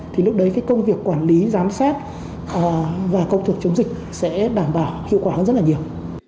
thì lúc đấy cái công việc quản lý giám sát và công cuộc chống dịch sẽ đảm bảo hiệu quả hơn rất là nhiều